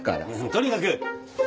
とにかく。